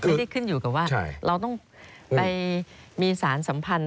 ขึ้นอยู่กับว่าเราต้องไปมีสารสัมพันธ์